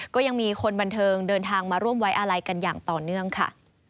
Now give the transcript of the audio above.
ก็ยังมีคนบันเทิงเดินทางมาร่วมไว้อาลัยกันอย่างต่อเนื่องค่ะ